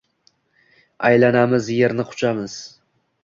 Aylanamiz, yerni quchamiz